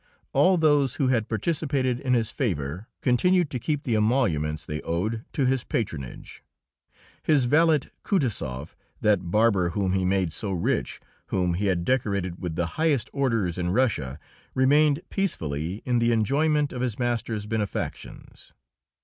All those who had participated in his favour continued to keep the emoluments they owed to his patronage. His valet Kutaisoff, that barber whom he made so rich, whom he had decorated with the highest orders in Russia, remained peacefully in the enjoyment of his master's benefactions.